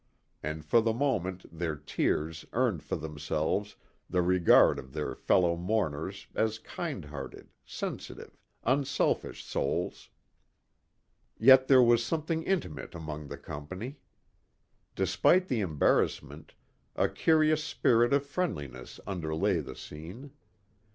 And for the moment their tears earned for themselves the regard of their fellow mourners as kind hearted, sensitive, unselfish souls. Yet there was something intimate among the company. Despite the embarrassment, a curious spirit of friendliness underlay the scene.